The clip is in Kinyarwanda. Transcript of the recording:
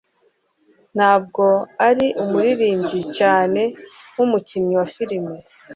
Ntabwo ari umuririmbyi cyane nkumukinnyi wa filim